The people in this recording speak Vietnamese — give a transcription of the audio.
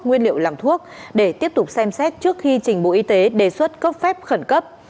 nguyên liệu làm thuốc để tiếp tục xem xét trước khi trình bộ y tế đề xuất cấp phép khẩn cấp